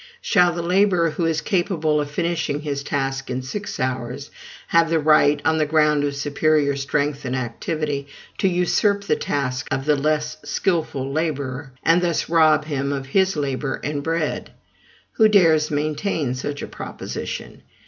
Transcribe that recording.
Shall the laborer who is capable of finishing his task in six hours have the right, on the ground of superior strength and activity, to usurp the task of the less skilful laborer, and thus rob him of his labor and bread? Who dares maintain such a proposition?